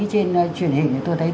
trên truyền hình thì tôi thấy